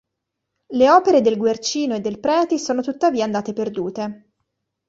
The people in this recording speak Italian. Le opere del Guercino e del Preti sono tuttavia andate perdute.